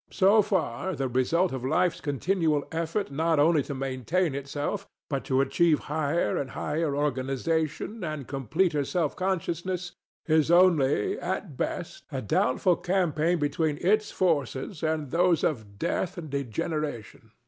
So far, the result of Life's continual effort not only to maintain itself, but to achieve higher and higher organization and completer self consciousness, is only, at best, a doubtful campaign between its forces and those of Death and Degeneration.